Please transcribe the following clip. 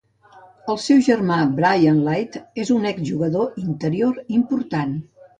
El seu germà, Bryan Little, és un exjugador interior important.